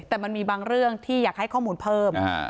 แต่มันมีบางเรื่องที่อยากให้ข้อมูลเพิ่ม